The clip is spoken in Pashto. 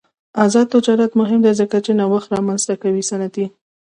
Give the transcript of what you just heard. آزاد تجارت مهم دی ځکه چې نوښت رامنځته کوي صنعتي.